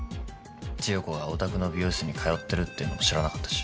千代子がお宅の美容室に通ってるっていうのも知らなかったし。